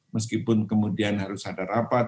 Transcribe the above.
meskipun kemudian harus ada rapat